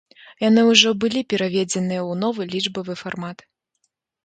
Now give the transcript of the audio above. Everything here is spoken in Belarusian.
Яны ўжо былі пераведзеныя ў новы лічбавы фармат.